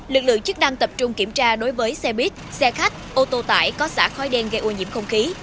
lực lượng chức năng tập trung kiểm tra đối với xe buýt xe khách ô tô tải có xả khói đen gây ô nhiễm không khí